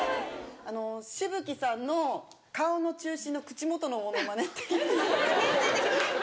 紫吹さんの顔の中心の口元のモノマネっていう。